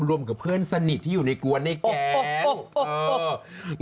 รวมกับเพื่อนสนิทที่อยู่ในกวนในแก๊ง